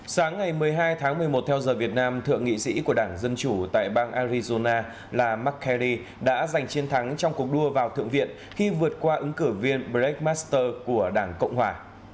sáng ngày một mươi hai tháng một mươi một theo giờ việt nam thượng nghị sĩ của đảng dân chủ tại bang arizona là mccarie đã giành chiến thắng trong cuộc đua vào thượng viện khi vượt qua ứng cử viên brex master của đảng cộng hòa